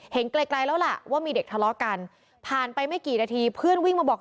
ไกลแล้วล่ะว่ามีเด็กทะเลาะกันผ่านไปไม่กี่นาทีเพื่อนวิ่งมาบอก